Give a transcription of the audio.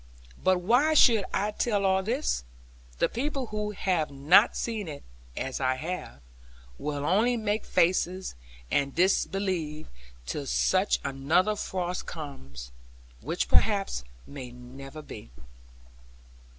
But why should I tell all this? the people who have not seen it (as I have) will only make faces, and disbelieve; till such another frost comes; which perhaps may never be.